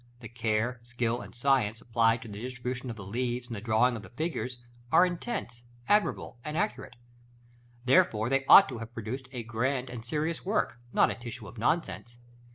The care, skill, and science, applied to the distribution of the leaves, and the drawing of the figures, are intense, admirable, and accurate; therefore, they ought to have produced a grand and serious work, not a tissue of nonsense.